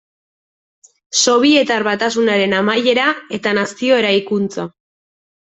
Sobietar Batasunaren amaiera eta nazio eraikuntza.